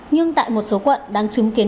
nhưng tại một số quận đang chứng kiến